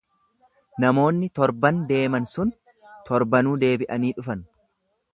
Namoonni torban deeman sun torbanuu deebi’anii dhufan